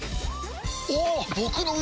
おっ！